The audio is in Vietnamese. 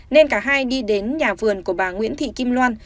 nên cả hai đi đến nhà vườn của bà nguyễn thị kim loan